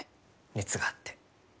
熱があって。